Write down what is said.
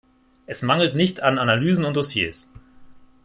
Es mangelt nicht an Analysen und Dossiers.